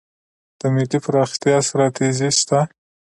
د ملي پراختیا ستراتیژي شته؟